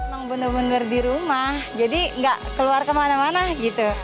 emang bener bener di rumah jadi nggak keluar kemana mana gitu